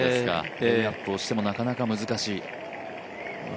レイアップしても、なかなか難しい。